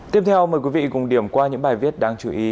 tiếp theo mời quý vị cùng điểm qua những bài viết đáng chú ý